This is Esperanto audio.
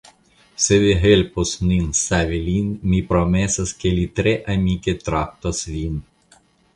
Se vi helpos nin savi lin mi promesas ke li tre amike traktos vin.